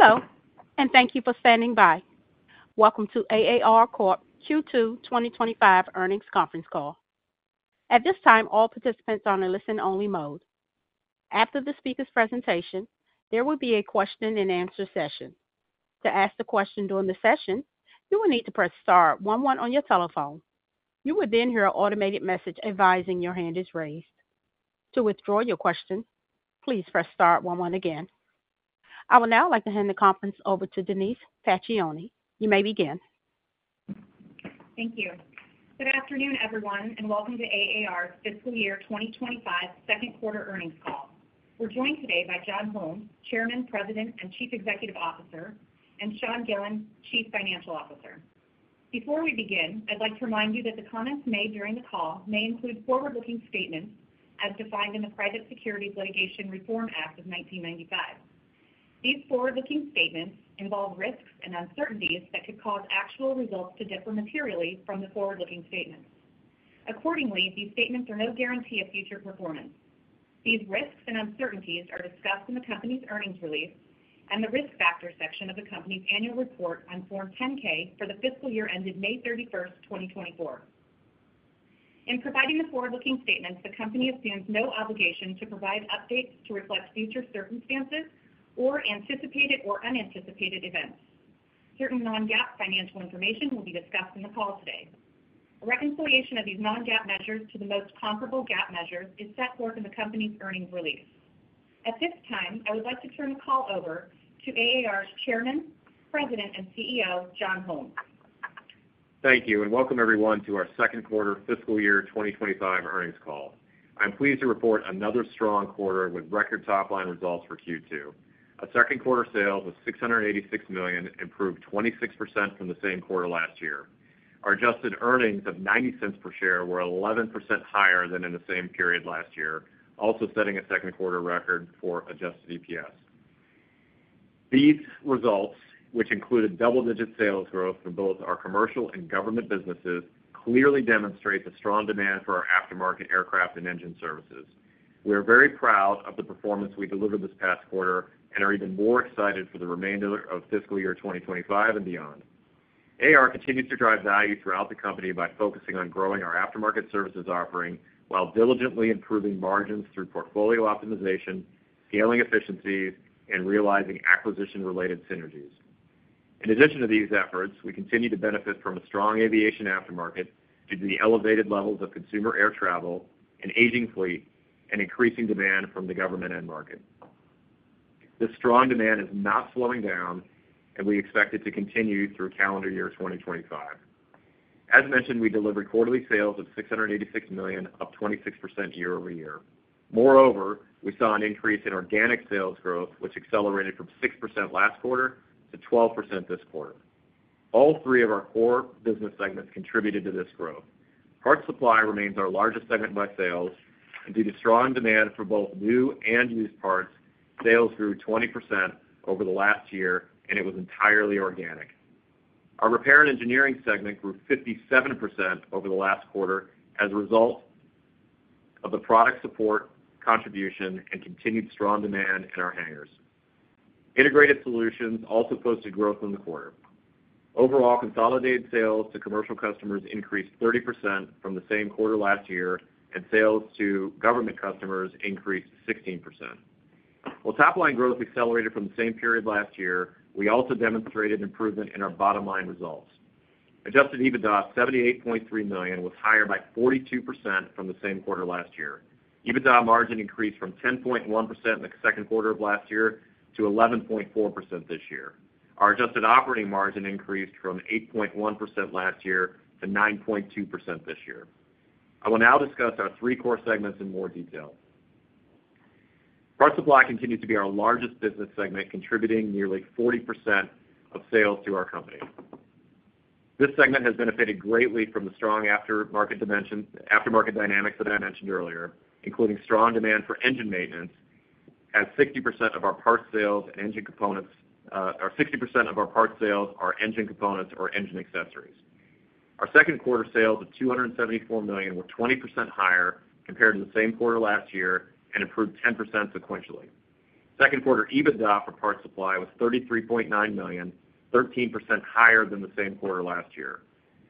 Hello, and thank you for standing by. Welcome to AAR Corp. Q2 2025 earnings conference call. At this time, all participants are on a listen-only mode. After the speaker's presentation, there will be a question-and-answer session. To ask a question during the session, you will need to press Star 1-1 on your telephone. You will then hear an automated message advising your hand is raised. To withdraw your question, please press Star 1-1 again. I would now like to hand the conference over to Denise Pacioni. You may begin. Thank you. Good afternoon, everyone, and welcome to AAR's Fiscal Year 2025 second quarter earnings call. We're joined today by John Holmes, Chairman, President, and Chief Executive Officer, and Sean Gillen, Chief Financial Officer. Before we begin, I'd like to remind you that the comments made during the call may include forward-looking statements as defined in the Private Securities Litigation Reform Act of 1995. These forward-looking statements involve risks and uncertainties that could cause actual results to differ materially from the forward-looking statements. Accordingly, these statements are no guarantee of future performance. These risks and uncertainties are discussed in the company's earnings release and the risk factor section of the company's annual report on Form 10-K for the fiscal year ended May 31st, 2024. In providing the forward-looking statements, the company assumes no obligation to provide updates to reflect future circumstances or anticipated or unanticipated events. Certain non-GAAP financial information will be discussed in the call today. A reconciliation of these non-GAAP measures to the most comparable GAAP measures is set forth in the company's earnings release. At this time, I would like to turn the call over to AAR's Chairman, President, and CEO, John Holmes. Thank you, and welcome everyone to our second quarter fiscal year 2025 earnings call. I'm pleased to report another strong quarter with record top-line results for Q2. Our second quarter sales was $686 million, improved 26% from the same quarter last year. Our adjusted earnings of $0.90 per share were 11% higher than in the same period last year, also setting a second quarter record for adjusted EPS. These results, which included double-digit sales growth for both our commercial and government businesses, clearly demonstrate the strong demand for our aftermarket aircraft and engine services. We are very proud of the performance we delivered this past quarter and are even more excited for the remainder of fiscal year 2025 and beyond. AAR continues to drive value throughout the company by focusing on growing our aftermarket services offering while diligently improving margins through portfolio optimization, scaling efficiencies, and realizing acquisition-related synergies. In addition to these efforts, we continue to benefit from a strong aviation aftermarket due to the elevated levels of consumer air travel, an aging fleet, and increasing demand from the government and market. This strong demand is not slowing down, and we expect it to continue through calendar year 2025. As mentioned, we delivered quarterly sales of $686 million, up 26% year over year. Moreover, we saw an increase in organic sales growth, which accelerated from 6% last quarter to 12% this quarter. All three of our core business segments contributed to this growth. Parts supply remains our largest segment by sales, and due to strong demand for both new and used parts, sales grew 20% over the last year, and it was entirely organic. Our repair and engineering segment grew 57% over the last quarter as a result of the product support, contribution, and continued strong demand in our hangars. Integrated solutions also posted growth in the quarter. Overall, consolidated sales to commercial customers increased 30% from the same quarter last year, and sales to government customers increased 16%. While top-line growth accelerated from the same period last year, we also demonstrated improvement in our bottom-line results. Adjusted EBITDA of $78.3 million was higher by 42% from the same quarter last year. EBITDA margin increased from 10.1% in the second quarter of last year to 11.4% this year. Our adjusted operating margin increased from 8.1% last year to 9.2% this year. I will now discuss our three core segments in more detail. Parts supply continues to be our largest business segment, contributing nearly 40% of sales to our company. This segment has benefited greatly from the strong aftermarket dynamics that I mentioned earlier, including strong demand for engine maintenance, as 60% of our parts sales are engine components or engine accessories. Our second quarter sales of $274 million were 20% higher compared to the same quarter last year and improved 10% sequentially. Second quarter EBITDA for parts supply was $33.9 million, 13% higher than the same quarter last year.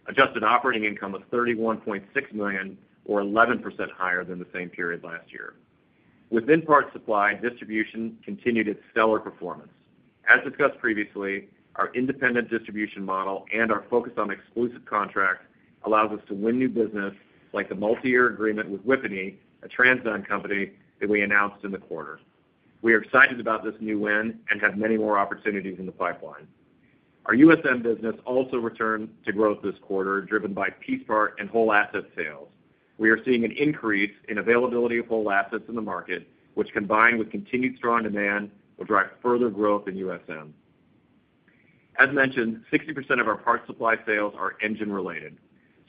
Adjusted operating income was $31.6 million, or 11% higher than the same period last year. Within parts supply, distribution continued its stellar performance. As discussed previously, our independent distribution model and our focus on exclusive contracts allows us to win new business, like the multi-year agreement with Whippany, a TransDigm company that we announced in the quarter. We are excited about this new win and have many more opportunities in the pipeline. Our USM business also returned to growth this quarter, driven by piece part and whole asset sales. We are seeing an increase in availability of whole assets in the market, which, combined with continued strong demand, will drive further growth in USM. As mentioned, 60% of our parts supply sales are engine-related.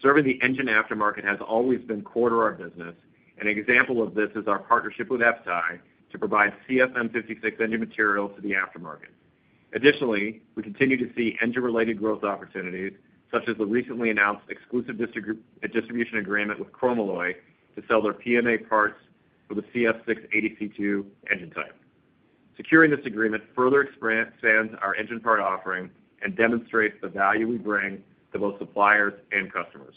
Serving the engine aftermarket has always been core to our business, and an example of this is our partnership with FTAI to provide CFM56 engine materials to the aftermarket. Additionally, we continue to see engine-related growth opportunities, such as the recently announced exclusive distribution agreement with Chromalloy to sell their PMA parts for the CF6-80C2 engine type. Securing this agreement further expands our engine part offering and demonstrates the value we bring to both suppliers and customers.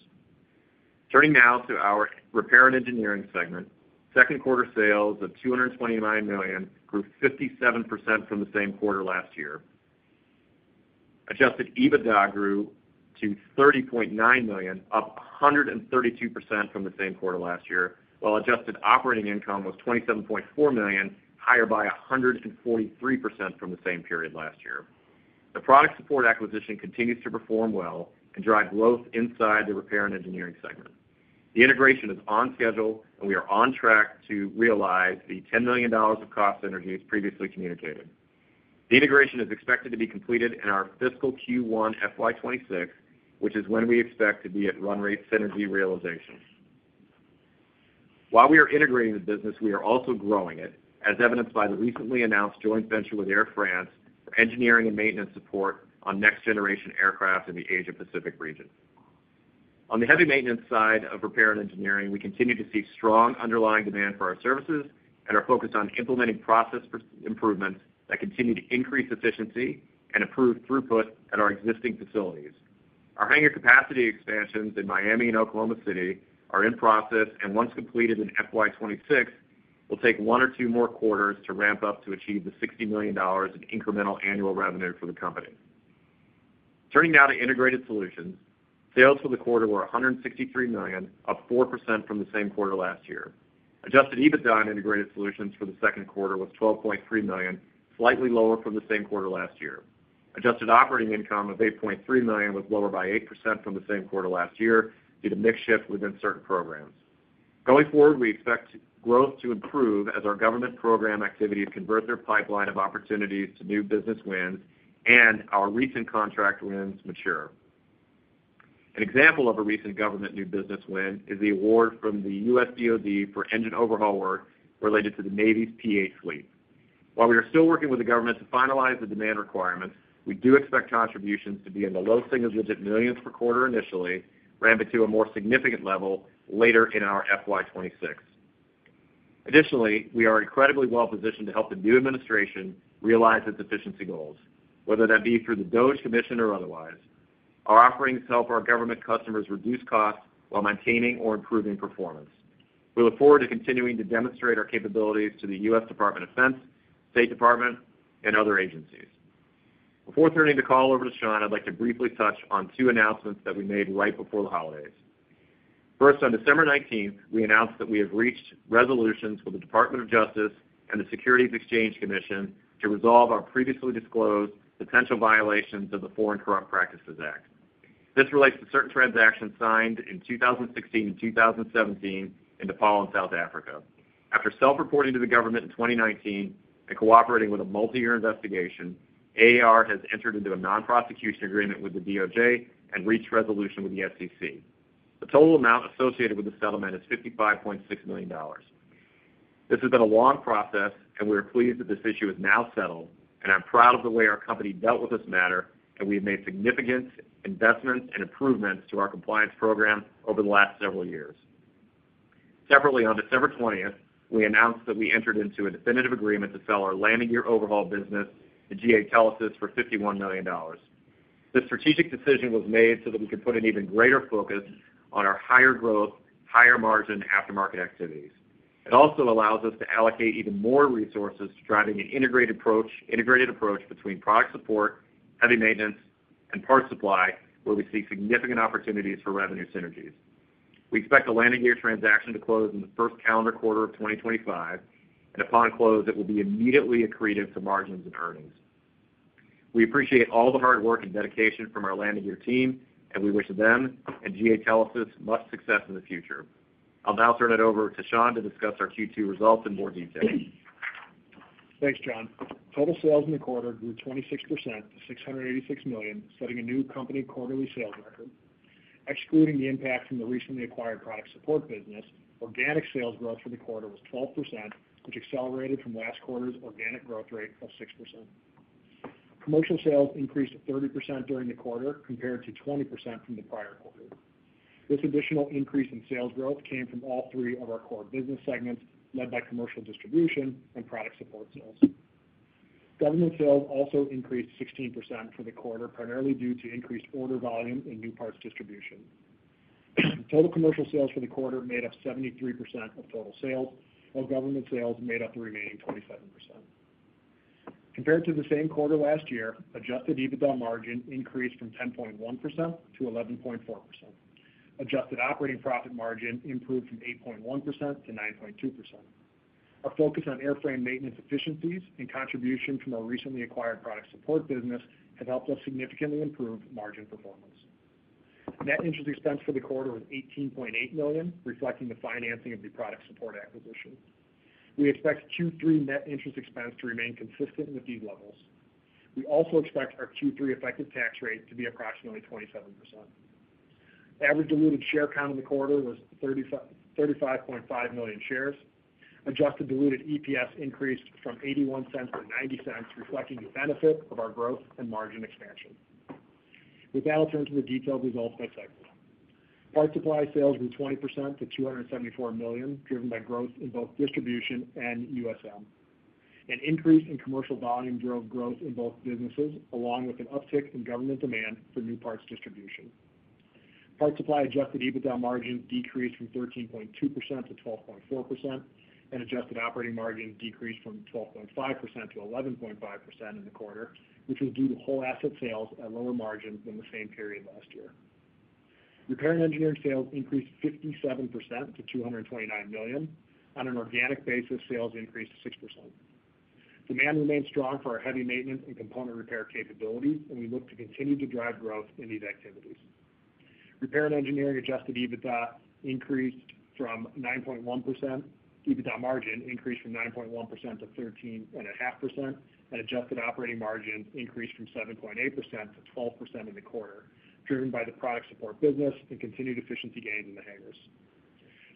Turning now to our repair and engineering segment, second quarter sales of $229 million grew 57% from the same quarter last year. Adjusted EBITDA grew to $30.9 million, up 132% from the same quarter last year, while adjusted operating income was $27.4 million, higher by 143% from the same period last year. The product support acquisition continues to perform well and drive growth inside the repair and engineering segment. The integration is on schedule, and we are on track to realize the $10 million of cost synergy as previously communicated. The integration is expected to be completed in our fiscal Q1 FY26, which is when we expect to be at run rate synergy realization. While we are integrating the business, we are also growing it, as evidenced by the recently announced joint venture with Air France for engineering and maintenance support on next-generation aircraft in the Asia-Pacific region. On the heavy maintenance side of repair and engineering, we continue to see strong underlying demand for our services and are focused on implementing process improvements that continue to increase efficiency and improve throughput at our existing facilities. Our hangar capacity expansions in Miami and Oklahoma City are in process, and once completed in FY26, we'll take one or two more quarters to ramp up to achieve the $60 million in incremental annual revenue for the company. Turning now to integrated solutions, sales for the quarter were $163 million, up 4% from the same quarter last year. Adjusted EBITDA on integrated solutions for the second quarter was $12.3 million, slightly lower from the same quarter last year. Adjusted operating income of $8.3 million was lower by 8% from the same quarter last year due to mixed shift within certain programs. Going forward, we expect growth to improve as our government program activity has converted our pipeline of opportunities to new business wins and our recent contract wins mature. An example of a recent government new business win is the award from the U.S. DoD for engine overhaul work related to the Navy's P-8 fleet. While we are still working with the government to finalize the demand requirements, we do expect contributions to be in the low single-digit millions per quarter initially, ramping to a more significant level later in our FY26. Additionally, we are incredibly well-positioned to help the new administration realize its efficiency goals, whether that be through the DOGE Commission or otherwise. Our offerings help our government customers reduce costs while maintaining or improving performance. We look forward to continuing to demonstrate our capabilities to the U.S. Department of Defense, State Department, and other agencies. Before turning the call over to Sean, I'd like to briefly touch on two announcements that we made right before the holidays. First, on December 19th, we announced that we have reached resolutions with the Department of Justice and the Securities and Exchange Commission to resolve our previously disclosed potential violations of the Foreign Corrupt Practices Act. This relates to certain transactions signed in 2016 and 2017 in Nepal and South Africa. After self-reporting to the government in 2019 and cooperating with a multi-year investigation, AAR has entered into a non-prosecution agreement with the DOJ and reached resolution with the SEC. The total amount associated with the settlement is $55.6 million. This has been a long process, and we are pleased that this issue is now settled, and I'm proud of the way our company dealt with this matter, and we have made significant investments and improvements to our compliance program over the last several years. Separately, on December 20th, we announced that we entered into a definitive agreement to sell our landing gear overhaul business, to GA Telesis, for $51 million. This strategic decision was made so that we could put an even greater focus on our higher growth, higher margin aftermarket activities. It also allows us to allocate even more resources to driving an integrated approach between product support, heavy maintenance, and parts supply, where we see significant opportunities for revenue synergies. We expect the landing gear transaction to close in the first calendar quarter of 2025, and upon close, it will be immediately accretive to margins and earnings. We appreciate all the hard work and dedication from our landing gear team, and we wish them and GA Telesis much success in the future. I'll now turn it over to Sean to discuss our Q2 results in more detail. Thanks, John. Total sales in the quarter grew 26% to $686 million, setting a new company quarterly sales record. Excluding the impact from the recently acquired product support business, organic sales growth for the quarter was 12%, which accelerated from last quarter's organic growth rate of 6%. Commercial sales increased 30% during the quarter compared to 20% from the prior quarter. This additional increase in sales growth came from all three of our core business segments, led by commercial distribution and product support sales. Government sales also increased 16% for the quarter, primarily due to increased order volume and new parts distribution. Total commercial sales for the quarter made up 73% of total sales, while government sales made up the remaining 27%. Compared to the same quarter last year, adjusted EBITDA margin increased from 10.1% to 11.4%. Adjusted operating profit margin improved from 8.1% to 9.2%. Our focus on airframe maintenance efficiencies and contribution from our recently acquired product support business have helped us significantly improve margin performance. Net interest expense for the quarter was $18.8 million, reflecting the financing of the product support acquisition. We expect Q3 net interest expense to remain consistent with these levels. We also expect our Q3 effective tax rate to be approximately 27%. Average diluted share count in the quarter was 35.5 million shares. Adjusted diluted EPS increased from $0.81 to $0.90, reflecting the benefit of our growth and margin expansion. With that, I'll turn to the detailed results by segment. Parts supply sales grew 20% to $274 million, driven by growth in both distribution and USM. An increase in commercial volume drove growth in both businesses, along with an uptick in government demand for new parts distribution. Parts supply adjusted EBITDA margins decreased from 13.2% to 12.4%, and adjusted operating margins decreased from 12.5% to 11.5% in the quarter, which was due to whole asset sales at lower margins than the same period last year. Repair and engineering sales increased 57% to $229 million. On an organic basis, sales increased 6%. Demand remained strong for our heavy maintenance and component repair capabilities, and we look to continue to drive growth in these activities. Repair and engineering EBITDA margin increased from 9.1% to 13.5%, and adjusted operating margins increased from 7.8% to 12% in the quarter, driven by the product support business and continued efficiency gains in the hangars.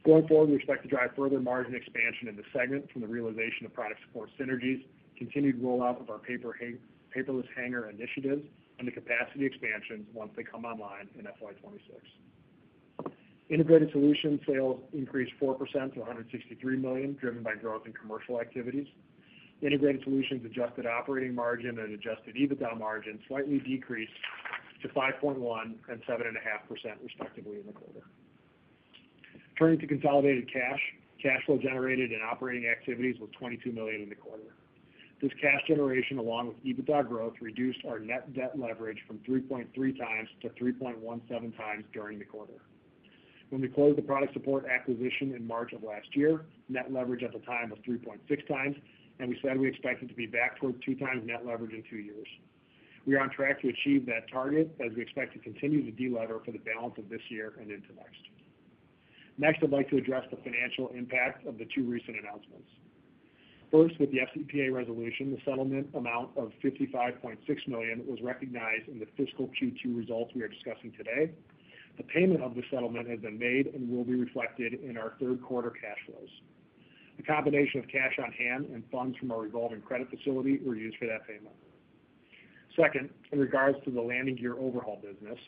Going forward, we expect to drive further margin expansion in the segment from the realization of product support synergies, continued rollout of our paperless hangar initiatives, and the capacity expansions once they come online in FY26. Integrated solution sales increased 4% to $163 million, driven by growth in commercial activities. Integrated solutions adjusted operating margin and adjusted EBITDA margin slightly decreased to 5.1% and 7.5%, respectively, in the quarter. Turning to consolidated cash, cash flow generated in operating activities was $22 million in the quarter. This cash generation, along with EBITDA growth, reduced our net debt leverage from 3.3 times to 3.17 times during the quarter. When we closed the product support acquisition in March of last year, net leverage at the time was 3.6 times, and we said we expected to be back towards 2 times net leverage in two years. We are on track to achieve that target, as we expect to continue to delever for the balance of this year and into next. Next, I'd like to address the financial impact of the two recent announcements. First, with the FCPA resolution, the settlement amount of $55.6 million was recognized in the fiscal Q2 results we are discussing today. The payment of the settlement has been made and will be reflected in our third quarter cash flows. A combination of cash on hand and funds from our revolving credit facility were used for that payment. Second, in regards to the landing gear overhaul business,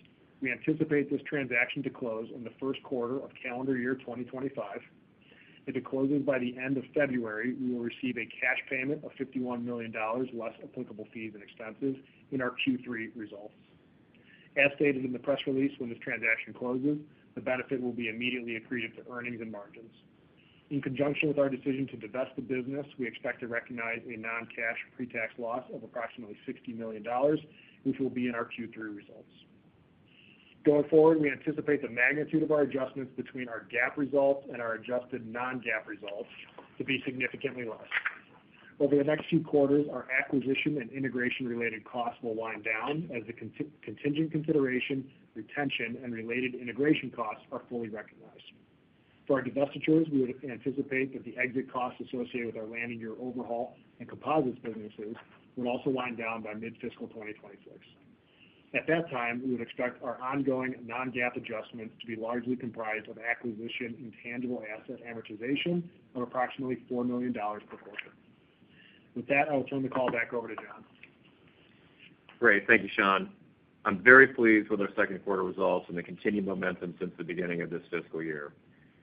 we anticipate this transaction to close in the first quarter of calendar year 2025. If it closes by the end of February, we will receive a cash payment of $51 million less applicable fees and expenses in our Q3 results. As stated in the press release, when this transaction closes, the benefit will be immediately accretive to earnings and margins. In conjunction with our decision to divest the business, we expect to recognize a non-cash pre-tax loss of approximately $60 million, which will be in our Q3 results. Going forward, we anticipate the magnitude of our adjustments between our GAAP result and our adjusted non-GAAP result to be significantly less. Over the next few quarters, our acquisition and integration-related costs will wind down as the contingent consideration, retention, and related integration costs are fully recognized. For our divestitures, we would anticipate that the exit costs associated with our landing gear overhaul and composites businesses would also wind down by mid-fiscal 2026. At that time, we would expect our ongoing non-GAAP adjustments to be largely comprised of acquisition and tangible asset amortization of approximately $4 million per quarter. With that, I will turn the call back over to John. Great. Thank you, Sean. I'm very pleased with our second quarter results and the continued momentum since the beginning of this fiscal year.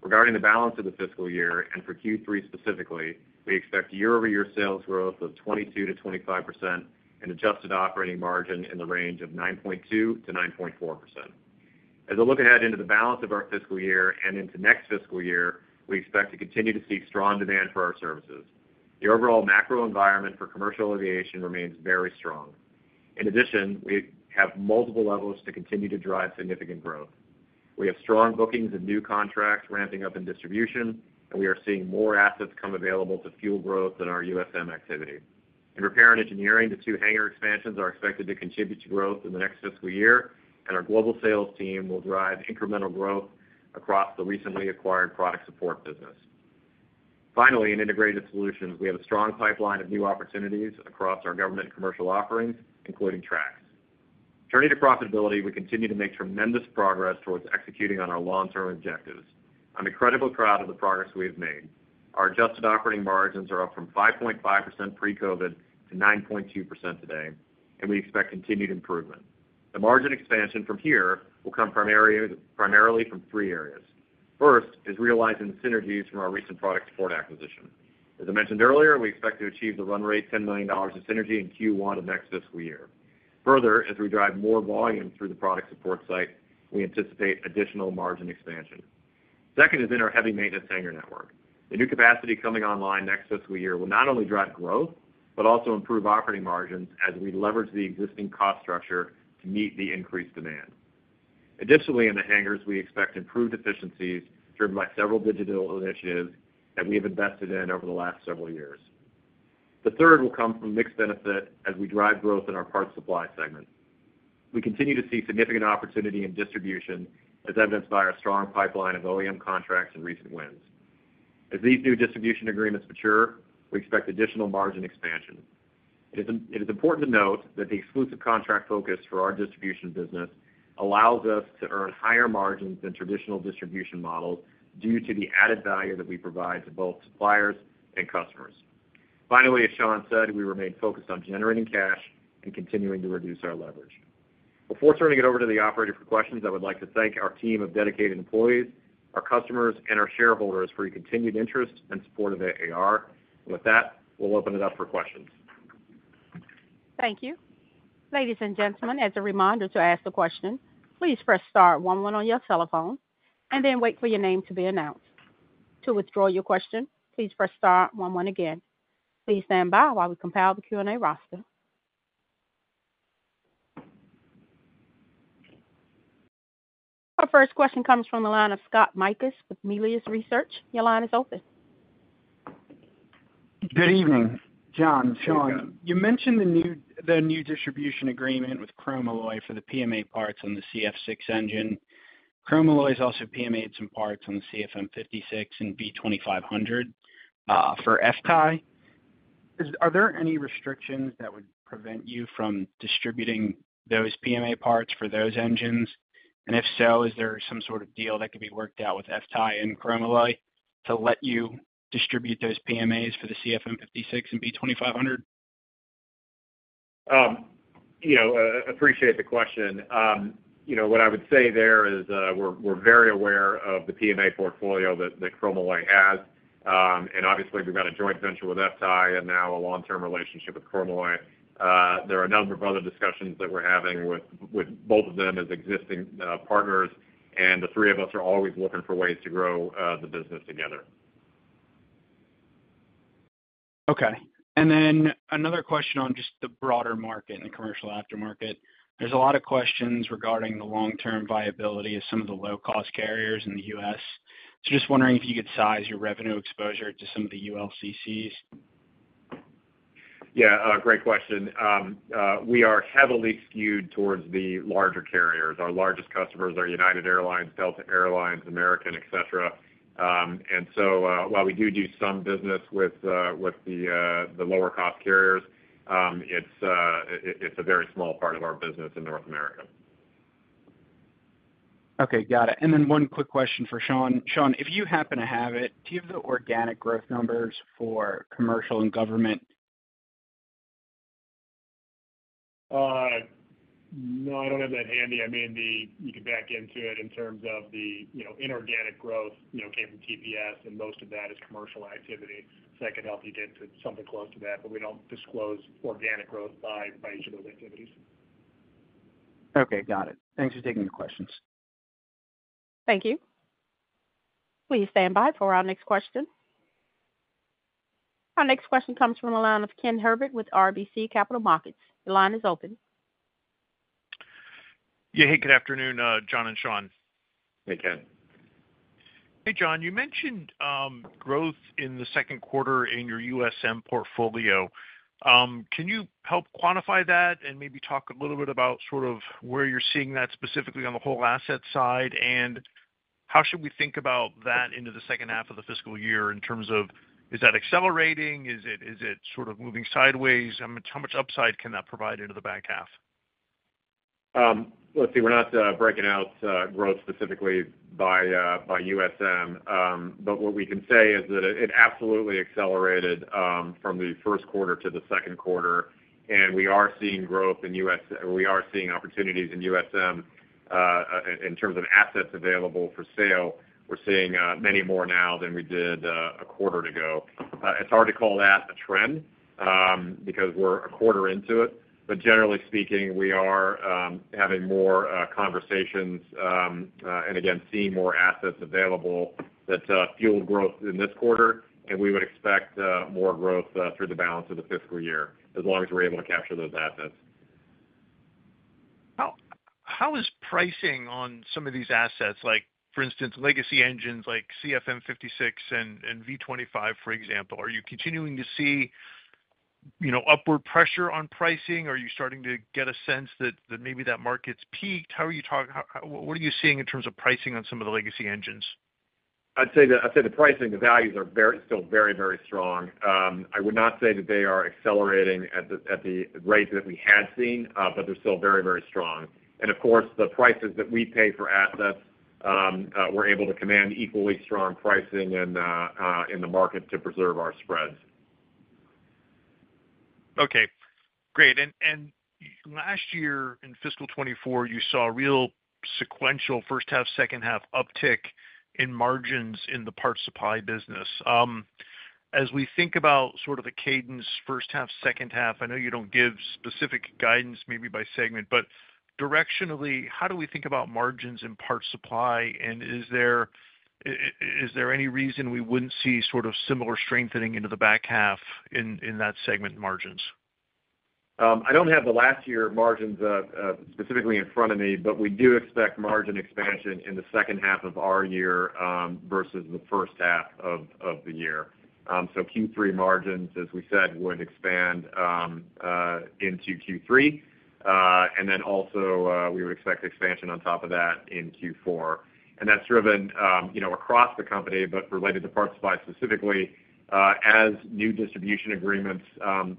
Regarding the balance of the fiscal year and for Q3 specifically, we expect year-over-year sales growth of 22%-25% and adjusted operating margin in the range of 9.2%-9.4%. As I look ahead into the balance of our fiscal year and into next fiscal year, we expect to continue to see strong demand for our services. The overall macro environment for commercial aviation remains very strong. In addition, we have multiple levels to continue to drive significant growth. We have strong bookings and new contracts ramping up in distribution, and we are seeing more assets come available to fuel growth in our USM activity. In repair and engineering, the two hangar expansions are expected to contribute to growth in the next fiscal year, and our global sales team will drive incremental growth across the recently acquired product support business. Finally, in integrated solutions, we have a strong pipeline of new opportunities across our government and commercial offerings, including Trax. Turning to profitability, we continue to make tremendous progress towards executing on our long-term objectives. I'm incredibly proud of the progress we have made. Our adjusted operating margins are up from 5.5% pre-COVID to 9.2% today, and we expect continued improvement. The margin expansion from here will come primarily from three areas. First is realizing the synergies from our recent product support acquisition. As I mentioned earlier, we expect to achieve the run rate $10 million of synergy in Q1 of next fiscal year. Further, as we drive more volume through the product support site, we anticipate additional margin expansion. Second is in our heavy maintenance hangar network. The new capacity coming online next fiscal year will not only drive growth but also improve operating margins as we leverage the existing cost structure to meet the increased demand. Additionally, in the hangars, we expect improved efficiencies driven by several digital initiatives that we have invested in over the last several years. The third will come from mixed benefit as we drive growth in our parts supply segment. We continue to see significant opportunity in distribution, as evidenced by our strong pipeline of OEM contracts and recent wins. As these new distribution agreements mature, we expect additional margin expansion. It is important to note that the exclusive contract focus for our distribution business allows us to earn higher margins than traditional distribution models due to the added value that we provide to both suppliers and customers. Finally, as Sean said, we remain focused on generating cash and continuing to reduce our leverage. Before turning it over to the operator for questions, I would like to thank our team of dedicated employees, our customers, and our shareholders for your continued interest and support of AAR. And with that, we'll open it up for questions. Thank you. Ladies and gentlemen, as a reminder to ask the question, please press star 11 on your telephone and then wait for your name to be announced. To withdraw your question, please press star 1-1 again. Please stand by while we compile the Q&A roster. Our first question comes from the line of Scott Mikus with Melius Research. Your line is open. Good evening, John. Sean, you mentioned the new distribution agreement with Chromalloy for the PMA parts on the CF6 engine. Chromalloy has also PMA'd some parts on the CFM56 and V2500 for FTI. Are there any restrictions that would prevent you from distributing those PMA parts for those engines? And if so, is there some sort of deal that could be worked out with FTI and Chromalloy to let you distribute those PMAs for the CFM56 and V2500? I appreciate the question. What I would say there is we're very aware of the PMA portfolio that Chromalloy has. And obviously, we've got a joint venture with FTI and now a long-term relationship with Chromalloy. There are a number of other discussions that we're having with both of them as existing partners, and the three of us are always looking for ways to grow the business together. Okay. And then another question on just the broader market and the commercial aftermarket. There's a lot of questions regarding the long-term viability of some of the low-cost carriers in the U.S. So just wondering if you could size your revenue exposure to some of the ULCCs? Yeah. Great question. We are heavily skewed towards the larger carriers. Our largest customers are United Airlines, Delta Air Lines, American Airlines, etc. And so while we do do some business with the lower-cost carriers, it's a very small part of our business in North America. Okay. Got it. And then one quick question for Sean. Sean, if you happen to have it, do you have the organic growth numbers for commercial and government? No, I don't have that handy. I mean, you can back into it in terms of the inorganic growth came from TPS, and most of that is commercial activity. So that could help you get to something close to that, but we don't disclose organic growth by each of those activities. Okay. Got it. Thanks for taking the questions. Thank you. Please stand by for our next question. Our next question comes from the line of Ken Herbert with RBC Capital Markets. The line is open. Yeah. Hey, good afternoon, John and Sean. Hey, Ken. Hey, John. You mentioned growth in the second quarter in your USM portfolio. Can you help quantify that and maybe talk a little bit about sort of where you're seeing that specifically on the whole asset side? And how should we think about that into the second half of the fiscal year in terms of, is that accelerating? Is it sort of moving sideways? How much upside can that provide into the back half? Let's see. We're not breaking out growth specifically by USM, but what we can say is that it absolutely accelerated from the first quarter to the second quarter, and we are seeing growth in USM, or we are seeing opportunities in USM in terms of assets available for sale. We're seeing many more now than we did a quarter ago. It's hard to call that a trend because we're a quarter into it, but generally speaking, we are having more conversations and, again, seeing more assets available that fueled growth in this quarter, and we would expect more growth through the balance of the fiscal year as long as we're able to capture those assets. How is pricing on some of these assets, like for instance, legacy engines like CFM56 and V2500, for example? Are you continuing to see upward pressure on pricing? Are you starting to get a sense that maybe that market's peaked? What are you seeing in terms of pricing on some of the legacy engines? I'd say the pricing, the values are still very, very strong. I would not say that they are accelerating at the rate that we had seen, but they're still very, very strong. And of course, the prices that we pay for assets, we're able to command equally strong pricing in the market to preserve our spreads. Okay. Great. And last year in fiscal 2024, you saw real sequential first half, second half uptick in margins in the parts supply business. As we think about sort of the cadence, first half, second half, I know you don't give specific guidance maybe by segment, but directionally, how do we think about margins in parts supply? And is there any reason we wouldn't see sort of similar strengthening into the back half in that segment margins? I don't have the last year margins specifically in front of me, but we do expect margin expansion in the second half of our year versus the first half of the year. Q3 margins, as we said, would expand into Q3. We would expect expansion on top of that in Q4. That's driven across the company, but related to parts supply specifically. As new distribution agreements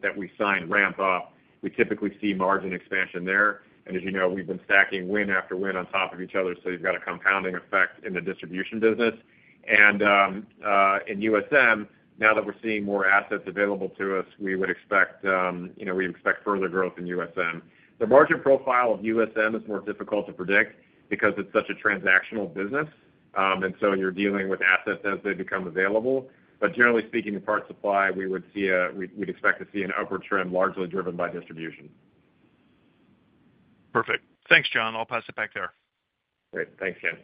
that we sign ramp up, we typically see margin expansion there. As you know, we've been stacking win after win on top of each other, so you've got a compounding effect in the distribution business. In USM, now that we're seeing more assets available to us, we would expect further growth in USM. The margin profile of USM is more difficult to predict because it's such a transactional business. You're dealing with assets as they become available, but generally speaking, in parts supply, we would expect to see an upward trend largely driven by distribution. Perfect. Thanks, John. I'll pass it back there. Great. Thanks, Ken.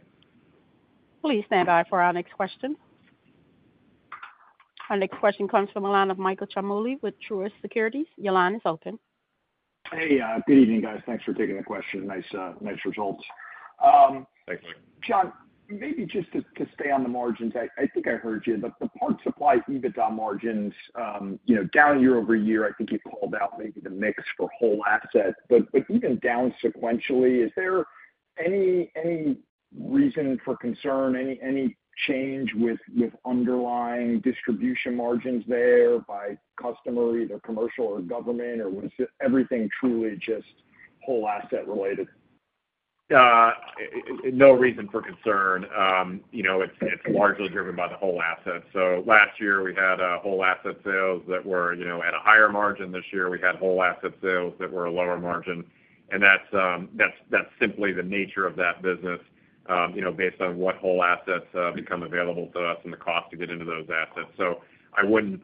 Please stand by for our next question. Our next question comes from the line of Michael Ciarmoli with Truist Securities. Your line is open. Hey, good evening, guys. Thanks for taking the question. Nice results. Thanks, Mike. Sean, maybe just to stay on the margins, I think I heard you. The parts supply EBITDA margins down year over year, I think you called out maybe the mix for whole assets. But even down sequentially, is there any reason for concern, any change with underlying distribution margins there by customer, either commercial or government, or was everything truly just whole asset related? No reason for concern. It's largely driven by the whole assets. So last year, we had whole asset sales that were at a higher margin. This year, we had whole asset sales that were a lower margin, and that's simply the nature of that business based on what whole assets become available to us and the cost to get into those assets, so I wouldn't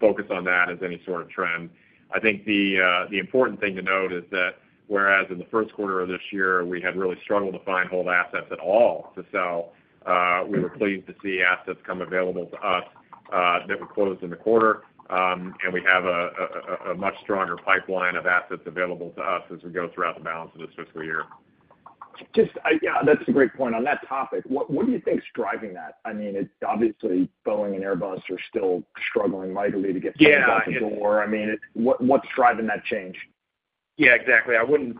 focus on that as any sort of trend. I think the important thing to note is that whereas in the first quarter of this year, we had really struggled to find whole assets at all to sell, we were pleased to see assets come available to us that were closed in the quarter, and we have a much stronger pipeline of assets available to us as we go throughout the balance of this fiscal year. That's a great point. On that topic, what do you think's driving that? I mean, obviously, Boeing and Airbus are still struggling mightily to get someone back at the door. I mean, what's driving that change? Yeah, exactly. I wouldn't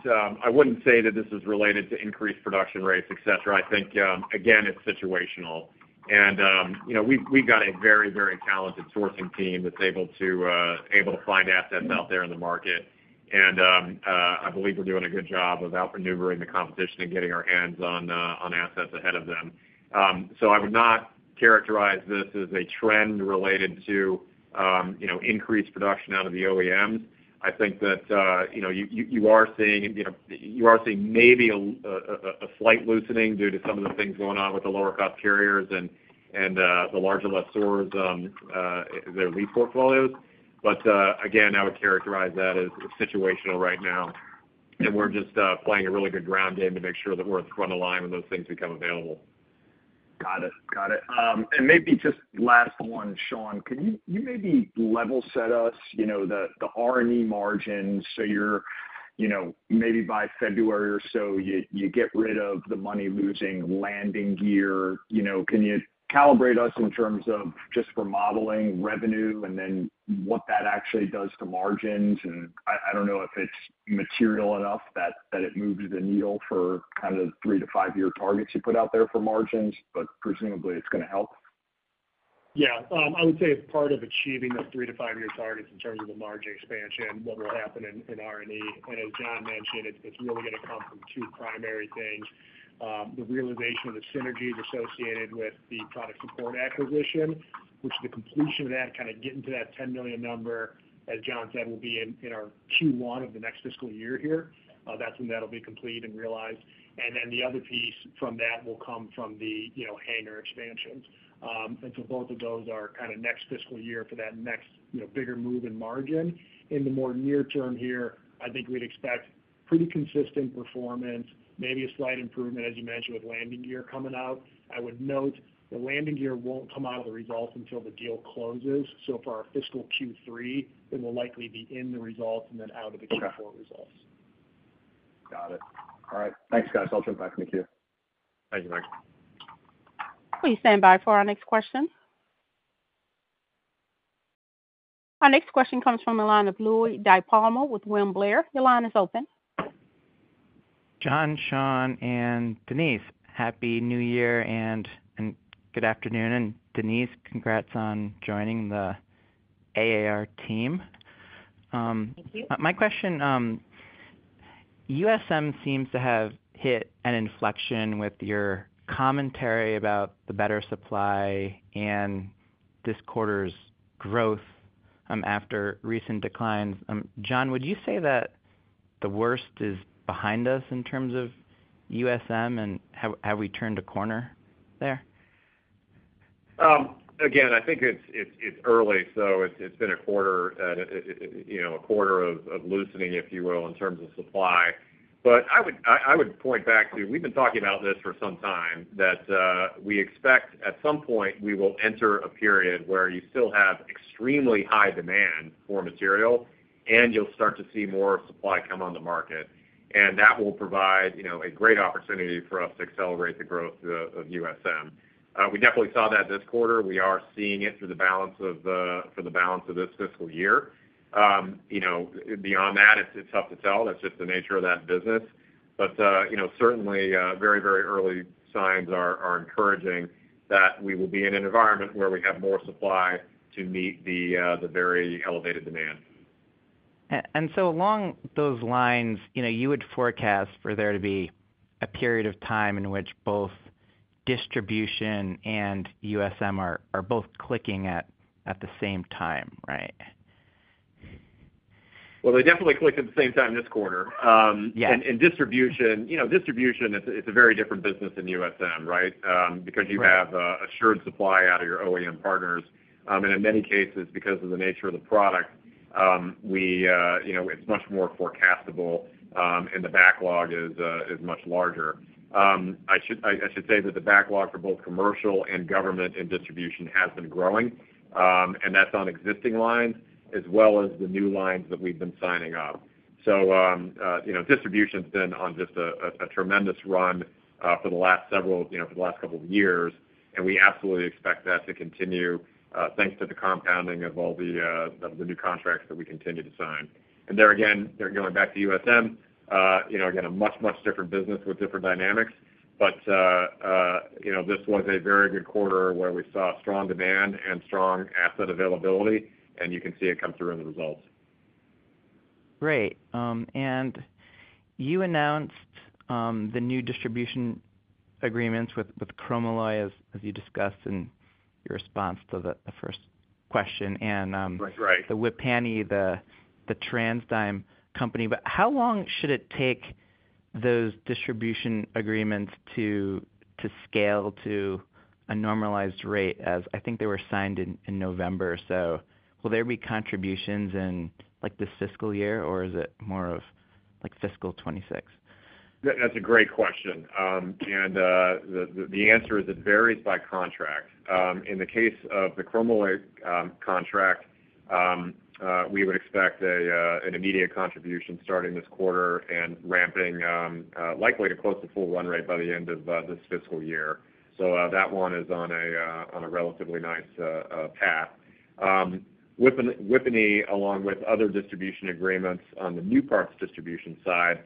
say that this is related to increased production rates, etc. I think, again, it's situational, and we've got a very, very talented sourcing team that's able to find assets out there in the market, and I believe we're doing a good job of outmaneuvering the competition and getting our hands on assets ahead of them, so I would not characterize this as a trend related to increased production out of the OEMs. I think that you are seeing maybe a slight loosening due to some of the things going on with the lower-cost carriers and the larger lessors in their lease portfolios, but again, I would characterize that as situational right now, and we're just playing a really good ground game to make sure that we're at the front of the line when those things become available. Got it. Got it. And maybe just last one, Sean. Can you maybe level set us the R&E margins? So maybe by February or so, you get rid of the money-losing landing gear. Can you calibrate us in terms of just remodeling revenue and then what that actually does to margins? And I don't know if it's material enough that it moves the needle for kind of the three to five-year targets you put out there for margins, but presumably it's going to help. Yeah. I would say as part of achieving those three- to five-year targets in terms of the margin expansion, what will happen in R&E, and as John mentioned, it's really going to come from two primary things. The realization of the synergies associated with the product support acquisition, which the completion of that, kind of getting to that $10 million number, as John said, will be in our Q1 of the next fiscal year here. That's when that'll be complete and realized. And then the other piece from that will come from the hangar expansions. And so both of those are kind of next fiscal year for that next bigger move in margin. In the more near term here, I think we'd expect pretty consistent performance, maybe a slight improvement, as you mentioned, with landing gear coming out. I would note the landing gear won't come out of the results until the deal closes. So for our fiscal Q3, it will likely be in the results and then out of the Q4 results. Got it. All right. Thanks, guys. I'll jump back to Mikus. Thank you, Mike. Please stand by for our next question. Our next question comes from the line of Louie DiPalma with William Blair. Your line is open. John, Sean, and Denise. Happy New Year and good afternoon, and Denise, congrats on joining the AAR team. My question: USM seems to have hit an inflection with your commentary about the better supply and this quarter's growth after recent declines. John, would you say that the worst is behind us in terms of USM, and have we turned a corner there? Again, I think it's early. So it's been a quarter of loosening, if you will, in terms of supply. But I would point back to we've been talking about this for some time that we expect at some point we will enter a period where you still have extremely high demand for material, and you'll start to see more supply come on the market. And that will provide a great opportunity for us to accelerate the growth of USM. We definitely saw that this quarter. We are seeing it through the balance of this fiscal year. Beyond that, it's tough to tell. That's just the nature of that business. But certainly, very, very early signs are encouraging that we will be in an environment where we have more supply to meet the very elevated demand. And so along those lines, you would forecast for there to be a period of time in which both distribution and USM are both clicking at the same time, right? They definitely clicked at the same time this quarter. Distribution, it's a very different business than USM, right, because you have assured supply out of your OEM partners. In many cases, because of the nature of the product, it's much more forecastable, and the backlog is much larger. I should say that the backlog for both commercial and government and distribution has been growing. That's on existing lines as well as the new lines that we've been signing up. Distribution has been on just a tremendous run for the last couple of years. We absolutely expect that to continue thanks to the compounding of all the new contracts that we continue to sign. There again, going back to USM, again, a much, much different business with different dynamics. But this was a very good quarter where we saw strong demand and strong asset availability. And you can see it come through in the results. Great. And you announced the new distribution agreements with Chromalloy as you discussed in your response to the first question and the Whippany, the TransDigm company. But how long should it take those distribution agreements to scale to a normalized rate as I think they were signed in November? So will there be contributions in this fiscal year, or is it more of fiscal 2026? That's a great question. And the answer is it varies by contract. In the case of the Chromalloy contract, we would expect an immediate contribution starting this quarter and ramping likely to close the full run rate by the end of this fiscal year. So that one is on a relatively nice path. Whippany, along with other distribution agreements on the new parts distribution side,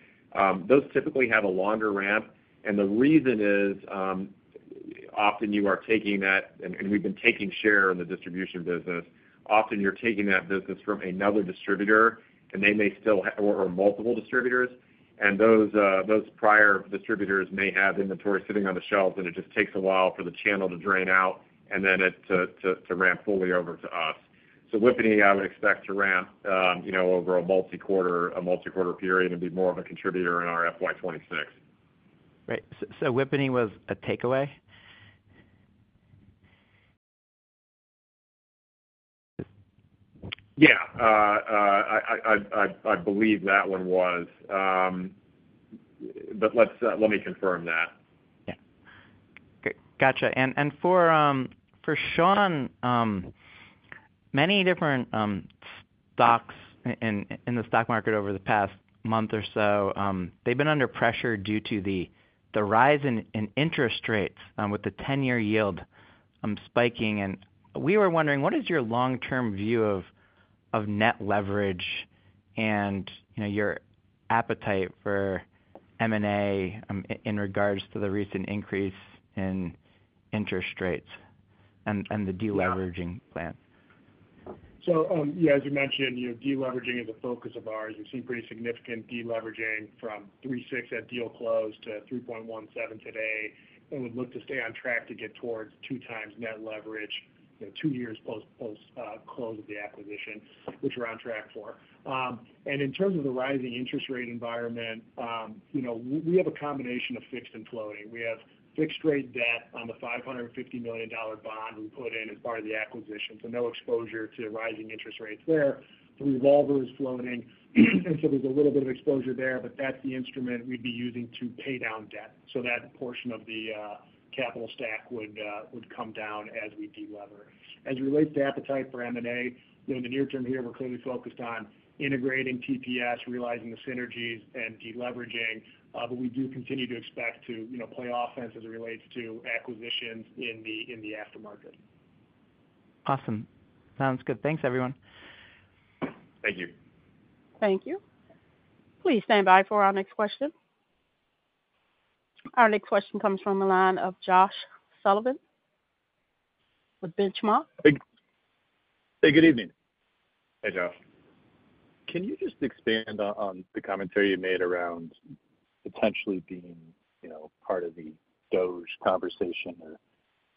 those typically have a longer ramp. And the reason is often you are taking that, and we've been taking share in the distribution business. Often you're taking that business from another distributor, and they may still have or multiple distributors. And those prior distributors may have inventory sitting on the shelves, and it just takes a while for the channel to drain out and then to ramp fully over to us. Whippany, I would expect to ramp over a multi-quarter period and be more of a contributor in our FY26. Right. So Whippany was a takeaway? Yeah. I believe that one was. But let me confirm that. Yeah. Gotcha. And for Sean, many different stocks in the stock market over the past month or so, they've been under pressure due to the rise in interest rates with the 10-year yield spiking. And we were wondering, what is your long-term view of net leverage and your appetite for M&A in regards to the recent increase in interest rates and the deleveraging plan? So yeah, as you mentioned, deleveraging is a focus of ours. We've seen pretty significant deleveraging from 3.6 at deal close to 3.17 today. And we'd look to stay on track to get towards two times net leverage two years post-close of the acquisition, which we're on track for. And in terms of the rising interest rate environment, we have a combination of fixed and floating. We have fixed-rate debt on the $550 million bond we put in as part of the acquisition. So no exposure to rising interest rates there. The revolver is floating. And so there's a little bit of exposure there, but that's the instrument we'd be using to pay down debt. So that portion of the capital stack would come down as we delever. As it relates to appetite for M&A, in the near term here, we're clearly focused on integrating TPS, realizing the synergies, and deleveraging, but we do continue to expect to play offense as it relates to acquisitions in the aftermarket. Awesome. Sounds good. Thanks, everyone. Thank you. Thank you. Please stand by for our next question. Our next question comes from the line of Josh Sullivan with Benchmark. Hey, good evening. Hey, Josh. Can you just expand on the commentary you made around potentially being part of the DOGE conversation or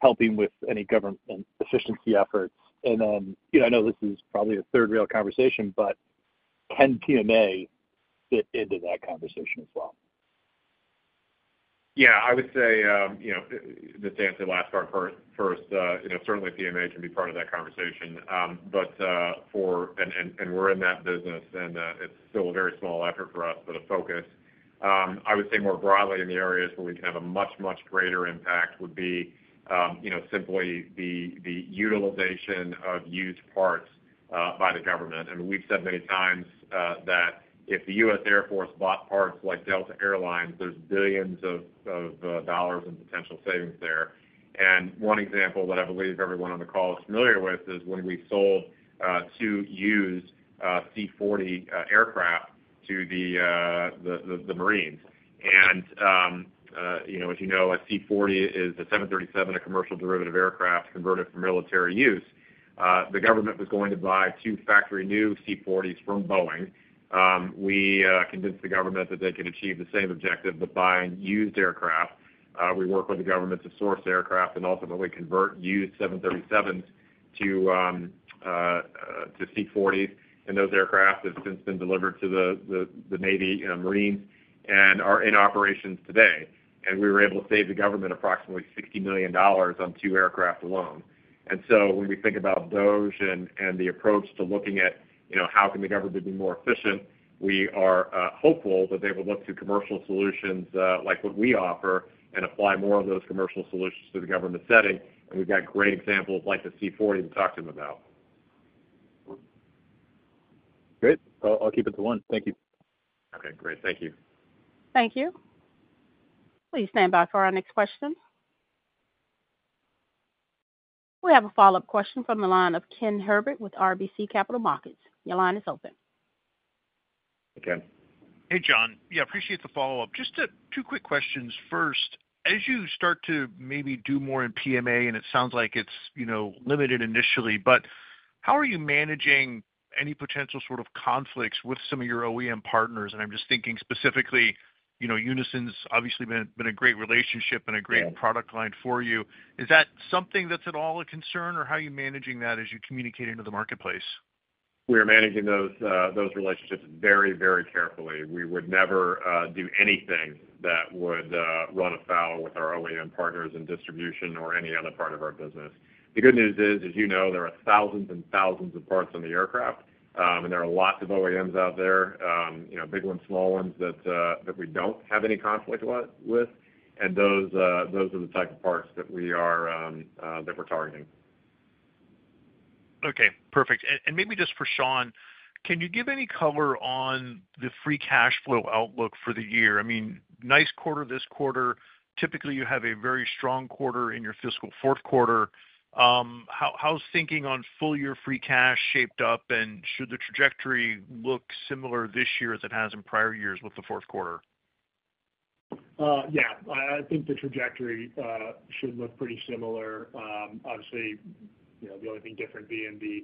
helping with any government efficiency efforts? And then I know this is probably a third rail conversation, but can PMA fit into that conversation as well? Yeah. I would say just to answer the last part first, certainly PMA can be part of that conversation. And we're in that business, and it's still a very small effort for us, but a focus. I would say more broadly in the areas where we can have a much, much greater impact would be simply the utilization of used parts by the government. And we've said many times that if the U.S. Air Force bought parts like Delta Air Lines, there's billions of dollars in potential savings there. One example that I believe everyone on the call is familiar with is when we sold two used C-40 aircraft to the Marines. As you know, a C-40 is a 737, a commercial derivative aircraft converted for military use. The government was going to buy two factory new C-40s from Boeing. We convinced the government that they could achieve the same objective of buying used aircraft. We work with the government to source aircraft and ultimately convert used 737s to C-40s. Those aircraft have since been delivered to the Navy and Marines and are in operations today. We were able to save the government approximately $60 million on two aircraft alone. And so when we think about DOGE and the approach to looking at how can the government be more efficient, we are hopeful that they will look to commercial solutions like what we offer and apply more of those commercial solutions to the government setting. And we've got great examples like the C-40 to talk to them about. Great. I'll keep it to one. Thank you. Okay. Great. Thank you. Thank you. Please stand by for our next question. We have a follow-up question from the line of Ken Herbert with RBC Capital Markets. Your line is open. Hey, Ken. Hey, John. Yeah, appreciate the follow-up. Just two quick questions. First, as you start to maybe do more in PMA, and it sounds like it's limited initially, but how are you managing any potential sort of conflicts with some of your OEM partners? And I'm just thinking specifically Unison's obviously been a great relationship and a great product line for you. Is that something that's at all a concern, or how are you managing that as you communicate into the marketplace? We are managing those relationships very, very carefully. We would never do anything that would run afoul with our OEM partners in distribution or any other part of our business. The good news is, as you know, there are thousands and thousands of parts on the aircraft, and there are lots of OEMs out there, big ones, small ones that we don't have any conflict with, and those are the type of parts that we're targeting. Okay. Perfect. And maybe just for Sean, can you give any color on the free cash flow outlook for the year? I mean, nice quarter this quarter. Typically, you have a very strong quarter in your fiscal fourth quarter. How's thinking on full-year free cash shaped up, and should the trajectory look similar this year as it has in prior years with the fourth quarter? Yeah. I think the trajectory should look pretty similar. Obviously, the only thing different being the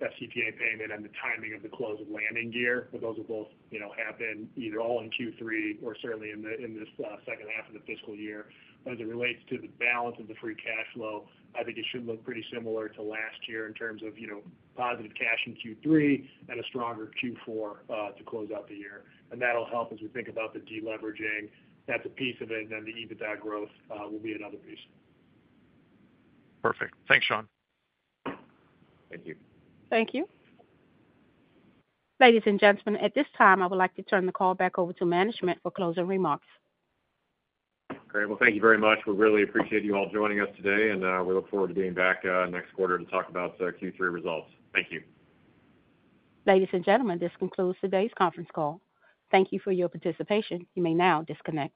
FCPA payment and the timing of the close of landing gear, but those will both happen either all in Q3 or certainly in this second half of the fiscal year. As it relates to the balance of the free cash flow, I think it should look pretty similar to last year in terms of positive cash in Q3 and a stronger Q4 to close out the year. And that'll help as we think about the deleveraging. That's a piece of it, and then the EBITDA growth will be another piece. Perfect. Thanks, Sean. Thank you. Thank you. Ladies and gentlemen, at this time, I would like to turn the call back over to management for closing remarks. Great. Well, thank you very much. We really appreciate you all joining us today, and we look forward to being back next quarter to talk about Q3 results. Thank you. Ladies and gentlemen, this concludes today's conference call. Thank you for your participation. You may now disconnect.